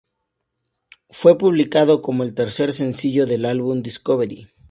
Fue publicado como el tercer sencillo del álbum "Discovery".